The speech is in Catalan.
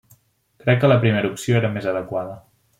Crec que la primera opció era més adequada.